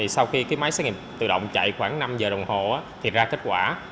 sau khi máy xét nghiệm tự động chạy khoảng năm giờ đồng hồ thì ra kết quả